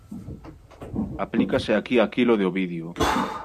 Aplícase aquí aquilo de Ovidio: